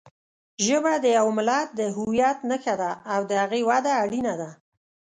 ژبه د یوه ملت د هویت نښه ده او د هغې وده اړینه ده.